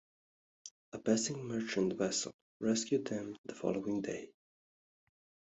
A passing merchant vessel rescued them the following day.